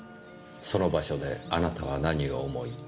「その場所であなたは何を思い